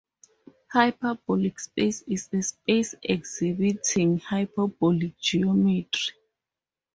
Hyperbolic space is a space exhibiting hyperbolic geometry.